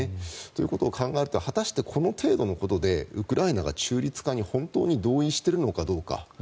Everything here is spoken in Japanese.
ということを考えると果たしてこの程度のことでウクライナが中立化に本当に同意しているのかどうか。